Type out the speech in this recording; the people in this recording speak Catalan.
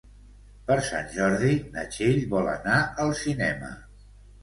Per Sant Jordi na Txell vol anar al cinema.